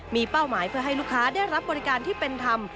มีเป้าหมายเพื่อให้ลูกค้าได้รับบริการที่เป็นธรรม